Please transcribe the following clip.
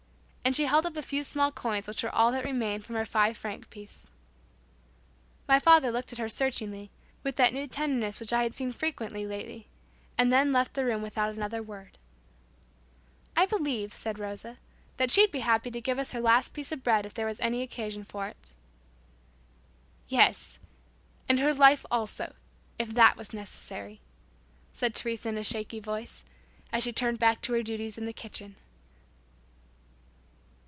And she held up a few small coins which was all that remained of her five franc piece. My father looked at her searchingly, with that new tenderness which I had seen frequently lately, and then left the room without another word. "I believe," said Rosa, "that she'd be happy to give us her last piece of bread if there was occasion for it" "Yes, and her life also, if that was necessary," said Teresa in a shaky voice, as she turned back to her duties in the kitchen.